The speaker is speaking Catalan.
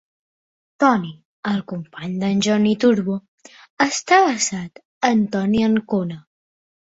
Tony, el company de"n Johnny Turbo, està basat en Tony Ancona.